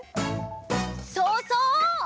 そうそう！